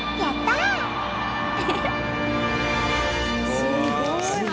すごい話！